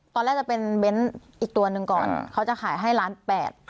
ตอนแรกจะเป็นเบ้นอีกตัวหนึ่งก่อนเขาจะขายให้ล้านแปด